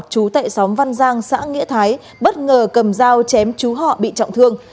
chú tệ xóm văn giang xã nghĩa thái bất ngờ cầm dao chém chú họ bị trọng thương